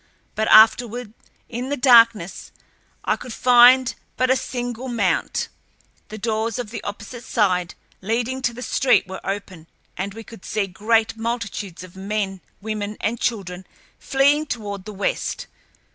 But afterward, in the darkness, I could find but a single mount. The doors of the opposite side, leading to the street, were open, and we could see great multitudes of men, women, and children fleeing toward the west.